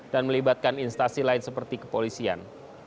dan melibatkan instasi lain seperti kepolisian